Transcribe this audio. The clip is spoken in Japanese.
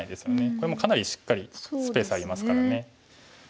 これもかなりしっかりスペースありますからね。